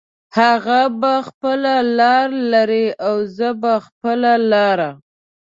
هغه به خپله لار لري او زه به خپله لاره